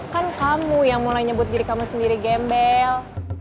kan kamu yang mulai nyebut diri kamu sendiri gembel